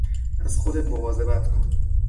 از خودت مواظبت کن.